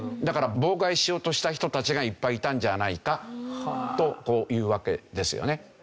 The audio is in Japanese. だから妨害しようとした人たちがいっぱいいたんじゃないかというわけですよね。